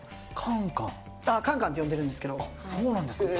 カンカンって呼んでるんですそうなんですね。